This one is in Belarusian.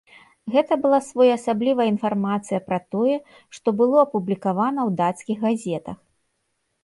Гэта была своеасаблівая інфармацыя пра тое, што было апублікавана ў дацкіх газетах.